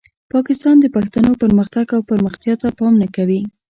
پاکستان د پښتنو پرمختګ او پرمختیا ته پام نه کوي.